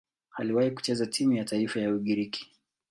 Aliwahi kucheza timu ya taifa ya Ugiriki.